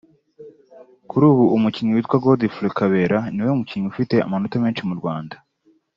Kuri ubu umukinnyi witwa Godfrey Kabera niwe mukinnyi ufite amanota menshi mu Rwanda